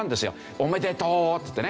「おめでとう」っつってね。